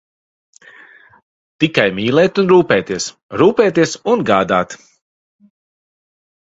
Tikai mīlēt un rūpēties, rūpēties un gādāt.